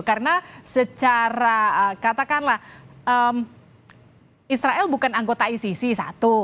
karena secara katakanlah israel bukan anggota icc satu